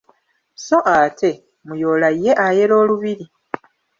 Sso ate Muyoola ye ayera olubiri.